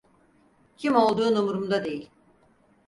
Kim olduğun umurumda değil.